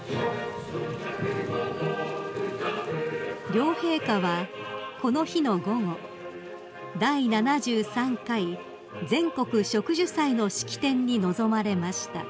［両陛下はこの日の午後第７３回全国植樹祭の式典に臨まれました］